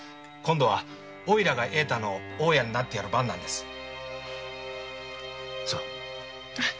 今度はおいらが栄太の大家になってやる番なんです。